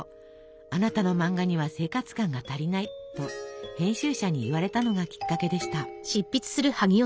「あなたの漫画には生活感が足りない」と編集者に言われたのがきっかけでした。